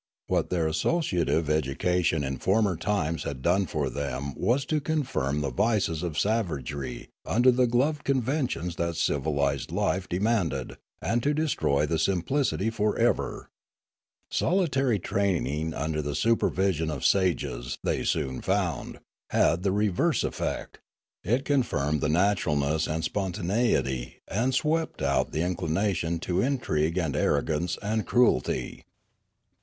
What their associative education in former times had done for them was to confirm the vices of savagery under the gloved conventions that civilised life de manded, and to destroy the simplicity for ever. Soli tary training under the supervision of sages, they soon found, had the reverse effect; it confirmed the natural ness and spontaneity, and swept out the inclination to intrigue and arrogance and cruelty.